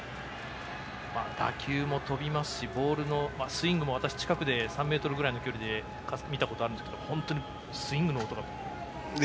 打球も飛びますしボールもスイングも私、近くで３ｍぐらいの距離で見たことがあるんですけど本当に、スイングの音が。